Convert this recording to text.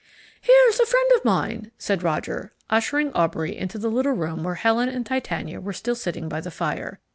"Here's a friend of mine," said Roger, ushering Aubrey into the little room where Helen and Titania were still sitting by the fire.